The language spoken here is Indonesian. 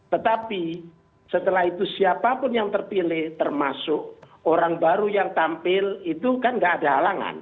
tetapi setelah itu siapapun yang terpilih termasuk orang baru yang tampil itu kan tidak ada halangan